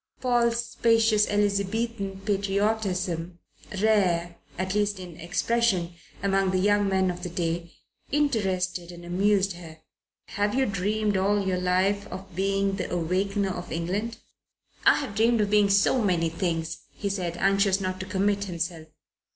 Paul's spacious Elizabethan patriotism, rare at least in expression among the young men of the day, interested and amused her. "Have you dreamed all your life of being the Awakener of England?" "I have dreamed of being so many things," he said, anxious not to commit himself.